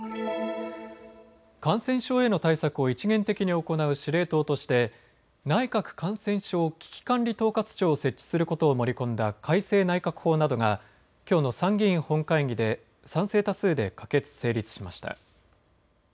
感染症への対策を一元的に行う司令塔として内閣感染症危機管理統括庁を設置することを盛り込んだ改正内閣法などがきょうの参議院本会議で賛成多数で可決・成立しました。